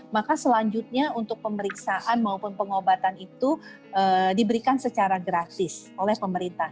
maka selanjutnya untuk pemeriksaan maupun pengobatan itu diberikan secara gratis oleh pemerintah